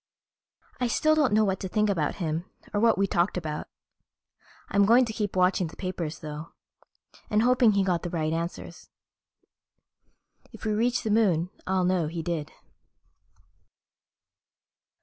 I still don't know what to think about him or what we talked about. I'm going to keep watching the papers though, and hoping he got the right answers. If we reach the Moon I'll know he did....